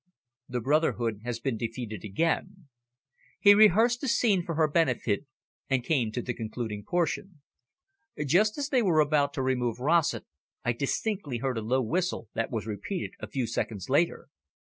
"The brotherhood has been defeated again." He rehearsed the scene for her benefit, and came to the concluding portion. "Just as they were about to remove Rossett, I distinctly heard a low whistle, that was repeated a few seconds later.